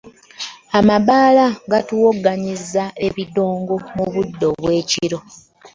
Amabbaala gatuwoganyiza ebidongo mu budde obw'ekiro.